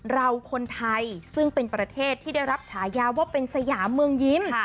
เราคนไทยซึ่งเป็นประเทศที่ได้รับฉายาว่าเป็นสยามเมืองยิ้ม